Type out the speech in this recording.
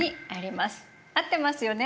合ってますよね？